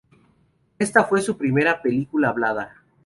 Esta fue su primera película hablada.